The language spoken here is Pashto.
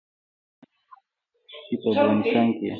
منم دی چې په افغانستان کي يي